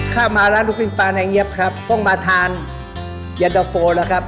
ข้ามมาร้านลูกชิ้นปลาในเฮียบครับพร่งมาทานอย่านะคะโฟลาครับ